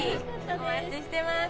お待ちしてます